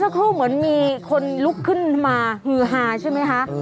ครูเหมือนมีคนลุกขึ้นมาฮือฮาใช่ไหมคะ